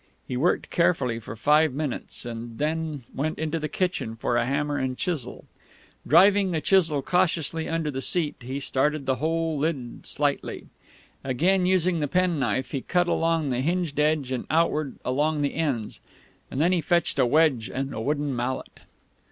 He worked carefully for five minutes, and then went into the kitchen for a hammer and chisel. Driving the chisel cautiously under the seat, he started the whole lid slightly. Again using the penknife, he cut along the hinged edge and outward along the ends; and then he fetched a wedge and a wooden mallet.